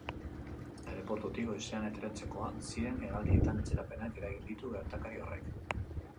Aireportutik goizean ateratzekoak ziren hegaldietan atzerapenak eragin ditu gertakari horrek.